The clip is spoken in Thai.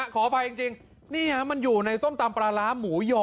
ขออภัยจริงนี่ฮะมันอยู่ในส้มตำปลาร้าหมูยอ